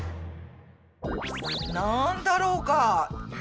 なんだろうか？ね。